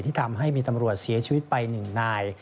ทำให้มีตำรวจเสียชีวิตไป๑นาย